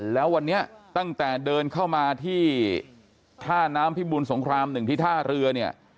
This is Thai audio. แล้ววันนี้ตั้งแต่เดินเข้ามาที่ท่าน้ำพิบูลสงคราม๑ที่ท่าเรือเนี่ย